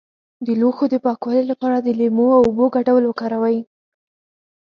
د لوښو د پاکوالي لپاره د لیمو او اوبو ګډول وکاروئ